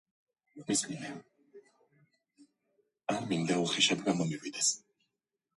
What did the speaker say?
ბერების ლოცვით ღმერთმა მათ მოუვლინა ხილვა, რომლითაც მიანიშნა, რომ მათი ძმა ჭეშმარიტი მოსაგრე იყო.